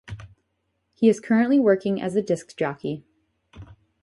He is currently working as a disc jockey.